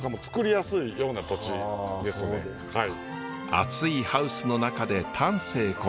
暑いハウスの中で丹精込める。